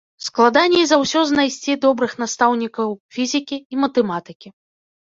Складаней за ўсё знайсці добрых настаўнікаў фізікі і матэматыкі.